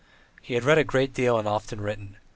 He had read a great deal and often written.